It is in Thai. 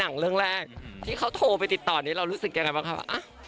นางเรื่องแรกที่เขาโทรไปติดต่อนี่เรารู้สึกแกอย่างไรครับ